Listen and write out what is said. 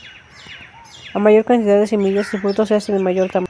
A mayor cantidad de semillas, el fruto se hace de mayor tamaño.